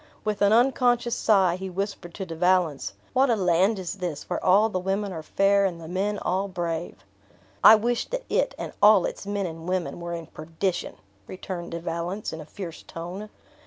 With an unconscious sigh, he whispered to De Valence, "What a land is this, where all the women are fair, and the men all brave!" "I wish that it, and all its men and women, were in perdition!" returned De valence, in a fierce tone.